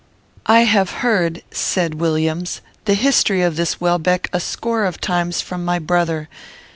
"'I have heard,' said Williams, 'the history of this Welbeck a score of times from my brother.